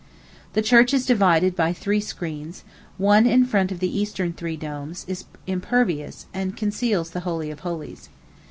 The church is divided by three screens; one in front of the eastern three domes is impervious and conceals the holy of holies.